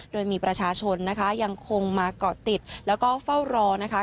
โดยมีประชาชนนะคะยังคงมาเกาะติดแล้วก็เฝ้ารอนะคะ